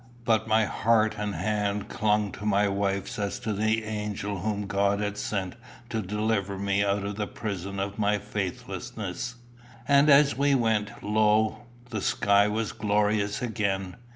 But my heart and hand clung to my wife as to the angel whom God had sent to deliver me out of the prison of my faithlessness. And as we went, lo! the sky was glorious again.